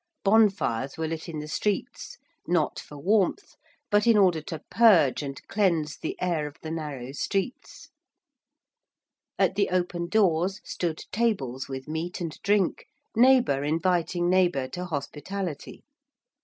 Bonfires were lit in the streets, not for warmth but in order to purge and cleanse the air of the narrow streets: at the open doors stood tables with meat and drink, neighbour inviting neighbour to hospitality.